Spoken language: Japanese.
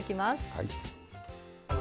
はい。